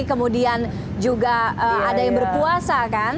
kemudian juga ada yang berpuasa kan